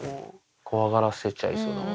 怖がらせちゃいそうだもんね。